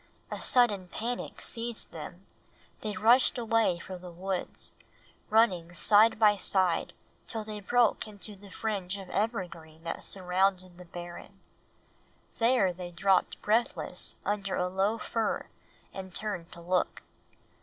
A sudden panic seized them; they rushed away for the woods, running side by side till they broke into the fringe of evergreen that surrounded the barren. There they dropped breathless under a low fir and turned to look.